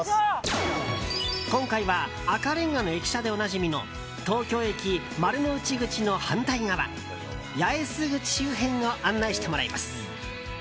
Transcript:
今回は赤れんがの駅舎でおなじみの東京駅丸の内口の反対側八重洲口周辺を案内してもらいます。